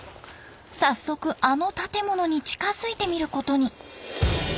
早速あの建物に近づいてみることに。